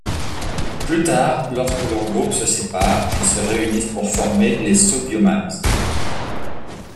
Plus tard, lorsque leurs groupes se séparent, ils se réunissent pour former les Subhumans.